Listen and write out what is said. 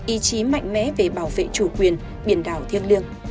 ý chí mạnh mẽ về bảo vệ chủ quyền biển đảo thiêng liêng